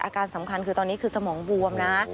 อาการสำคัญคือตอนนี้คือสมองบวมนะ